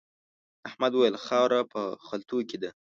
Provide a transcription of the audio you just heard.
احمد وويل: خاوره په خلتو کې ده.